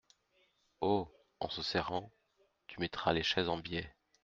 Oh ! en se serrant… tu mettras les chaises en biais !